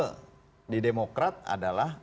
karena mekanisme di demokrat adalah